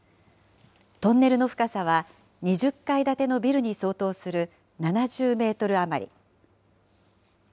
トンネルの深さは、２０階建てのビルに相当する７０メートル余り。